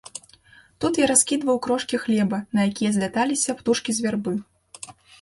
Тут я раскідваў крошкі хлеба, на якія зляталіся птушкі з вярбы.